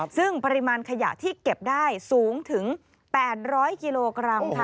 ซึ่งปริมาณขยะที่เก็บได้สูงถึง๘๐๐กิโลกรัมค่ะ